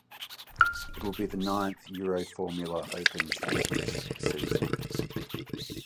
It will be the ninth Euroformula Open Championship season.